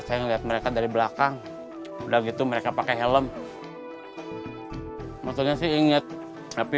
saya ngeliat mereka dari belakang udah gitu mereka pakai helm maksudnya sih inget tapi